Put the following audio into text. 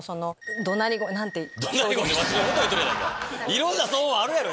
いろんな騒音あるやろ！